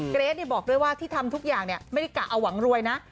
เกรทบอกด้วยว่าที่ทำทุกอย่างไม่ได้กะเอาหวังรวยนะ